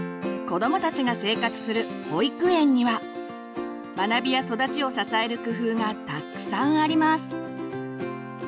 子どもたちが生活する保育園には学びや育ちを支える工夫がたくさんあります。